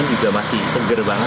juga masih seger banget